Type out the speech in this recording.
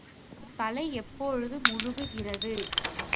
தலை எப்பொழுது முழுகுகிறது?